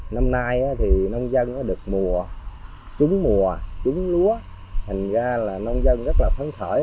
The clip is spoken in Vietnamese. năm nay thì nông dân được trúng mùa trúng lúa hình ra là nông dân rất là phấn khởi